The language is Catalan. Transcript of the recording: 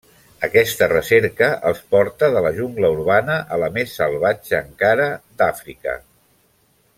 Aquesta recerca els porta de la jungla urbana a la més salvatge encara d'Àfrica.